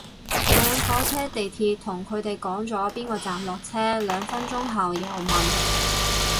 上火車地鐵同佢哋講咗邊個站落車，兩分鐘後又問